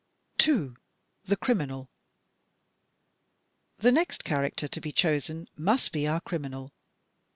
2. The Criminal The next character to be chosen must be our criminal.